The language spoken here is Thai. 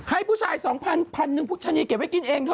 ให้ผู้ชาย๒๐๐๐บาท๑ผู้ชนิดเก็บไว้กินเองเถอะ